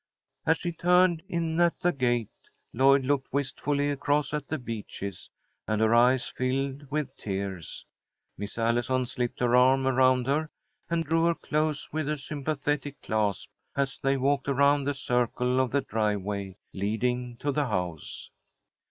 As they turned in at the gate, Lloyd looked wistfully across at The Beeches, and her eyes filled with tears. Miss Allison slipped her arm around her and drew her close with a sympathetic clasp, as they walked around the circle of the driveway leading to the house.